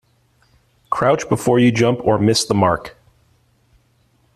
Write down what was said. Crouch before you jump or miss the mark.